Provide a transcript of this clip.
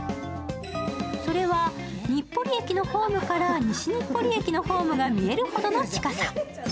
それは日暮里駅のホームから西日暮里駅のホームが見えるほどの近さ。